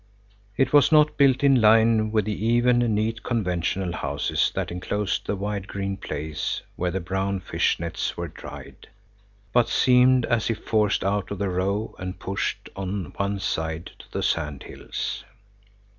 It was not built in line with the even, neat, conventional houses that enclosed the wide green place where the brown fish nets were dried, but seemed as if forced out of the row and pushed on one side to the sand hills.